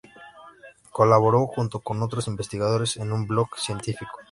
Colabora, junto con otros investigadores en un blog científico.